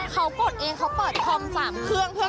เขากดเองเขาเปิดคอม๓เครื่องเพื่อ